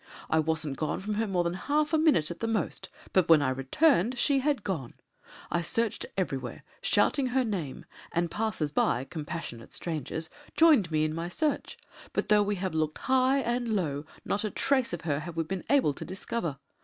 I wasn't gone from her more than half a minute at the most, but when I returned she had gone. I searched everywhere, shouting her name; and passers by, compassionate strangers, joined me in my search; but though we have looked high and low not a trace of her have we been able to discover.